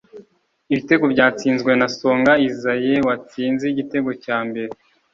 Ibitego byatsinzwe na Songa Isae watsinze igitego cya mbere